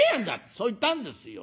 そう言ったんですよ。